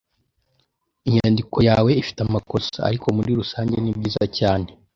Inyandiko yawe ifite amakosa, ariko muri rusange nibyiza cyane.